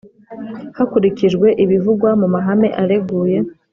hakurikijwe ibivugwa mu mahame areguye